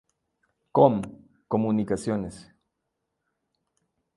Com Comunicaciones.